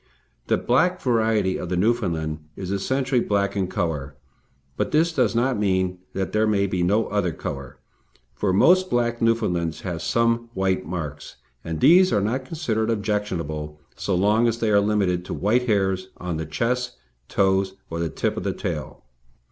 The black variety of the Newfoundland is essentially black in colour; but this does not mean that there may be no other colour, for most black Newfoundlands have some white marks, and these are not considered objectionable, so long as they are limited to white hairs on the chest, toes, or the tip of the tail.